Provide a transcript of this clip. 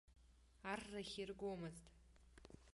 Аррахь иргомызт.